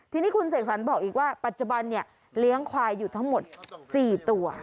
ทีนี้คุณเสกสรรบอกอีกว่าปัจจุบันเนี่ยเลี้ยงควายอยู่ทั้งหมด๔ตัว